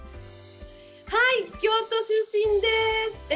はい、京都出身です。